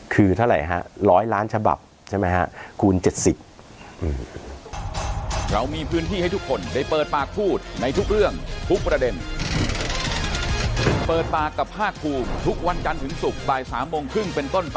คือเท่าไหร่ฮะ๑๐๐ล้านฉบับใช่ไหมฮะคูณ๗๐